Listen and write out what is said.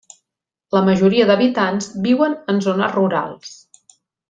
La majoria d'habitants viuen en zones rurals.